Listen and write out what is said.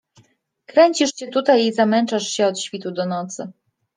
Kręcisz się tutaj i zamęczasz się od świtu do nocy…